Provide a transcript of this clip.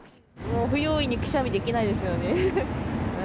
不用意にくしゃみできないですよね。